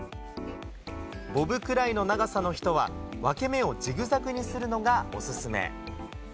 ボブくらいの長さの人は、分け目をジグザグにするのがお勧め。